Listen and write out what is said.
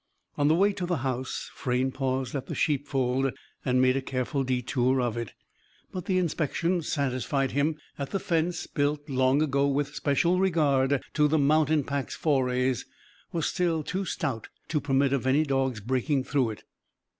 On the way to the house, Frayne paused at the sheepfold; and made a careful detour of it. But the inspection satisfied him that the fence (built long ago with special regard to the mountainpack's forays) was still too stout to permit of any dog's breaking through it.